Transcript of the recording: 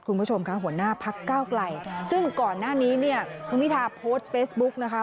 คุณผู้ชมค่ะหัวหน้าพักเก้าไกลซึ่งก่อนหน้านี้เนี่ยคุณพิธาโพสต์เฟซบุ๊กนะคะ